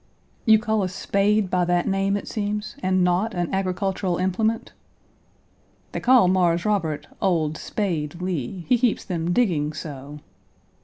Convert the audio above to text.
"You call a spade by that name, it seems, and not an agricultural implement?" "They call Mars Robert 'Old Spade Lee.' He keeps them digging so."